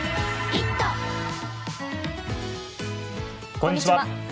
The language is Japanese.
こんにちは。